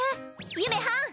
ゆめはん！